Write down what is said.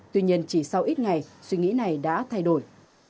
tuy nhiên chỉ sau ít ngày suy nghĩ này đã thay đổi